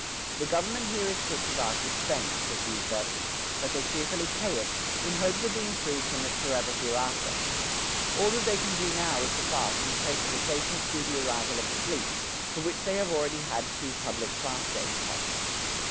"The government here is put to vast expense," pursues Vetch, "but they cheerfully pay it, in hopes of being freed from it forever hereafter. All that they can do now is to fast and pray for the safe and speedy arrival of the fleet, for which they have already had two public fast days kept."